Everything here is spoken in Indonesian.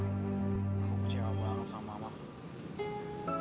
aku puji aku banget sama mama